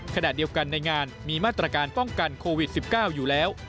ขณะเดียวกันในงานมีมาตรการป้องกันโควิด๑๙อยู่แล้ว